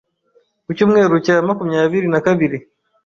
ku cyumweru cya makumyabiri na kabiri